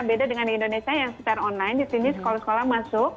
beda dengan indonesia yang secara online disini sekolah sekolah masuk